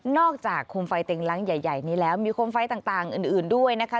จากโคมไฟเต็งล้างใหญ่นี้แล้วมีโคมไฟต่างอื่นด้วยนะคะ